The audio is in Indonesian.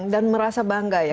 dan merasa bangga ya